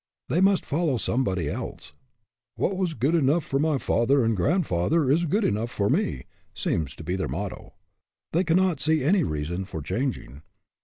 They must follow some body else. " What was good enough for my father and grandfather is good enough for me " seems to be their motto. They cannot see any reason for changing.